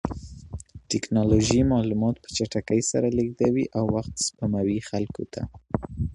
ټکنالوژي معلومات په چټکۍ سره لېږدوي او وخت سپموي خلکو ته.